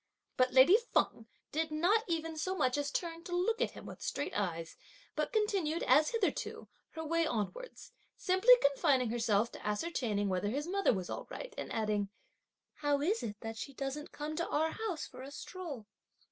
But lady Feng did not even so much as turn to look at him with straight eyes; but continued, as hitherto, her way onwards, simply confining herself to ascertaining whether his mother was all right, and adding: "How is it that she doesn't come to our house for a stroll?"